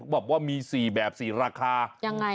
แบบว่ามี๔แบบ๔ราคายังไง